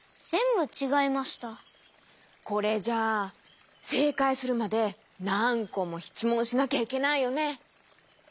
これじゃあせいかいするまでなんこもしつもんしなきゃいけないよね。